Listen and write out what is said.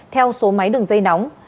theo số máy đường dây nóng